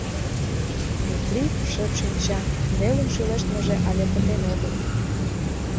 Метрий шып шинча, нелын шӱлештмыже але пытен огыл.